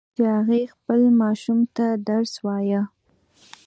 ما ولیدل چې هغې خپل ماشوم ته درس وایه